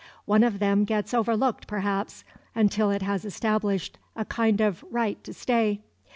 One of them gets overlooked, perhaps, until it has established a kind of right to stay.